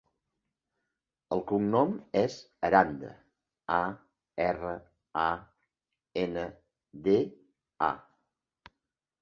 El cognom és Aranda: a, erra, a, ena, de, a.